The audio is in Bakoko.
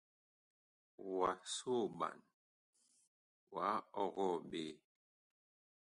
Wa soɓan, wah ɔgɔɔ ɓe.